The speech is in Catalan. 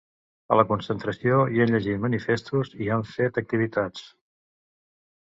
A la concentració hi han llegit manifestos i hi han fet activitats.